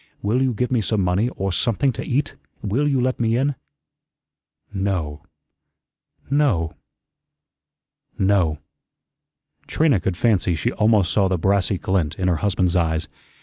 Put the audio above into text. Will you give me some money, or something to eat? Will you let me in?" "No no no." Trina could fancy she almost saw the brassy glint in her husband's eyes.